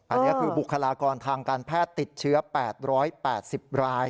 อันนี้คือบุคลากรทางการแพทย์ติดเชื้อ๘๘๐ราย